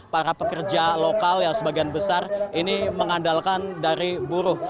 para pekerja lokal yang sebagian besar ini mengandalkan dari buruh